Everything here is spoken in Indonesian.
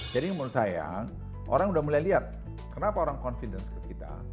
jadi menurut saya orang sudah mulai lihat kenapa orang confidence ke kita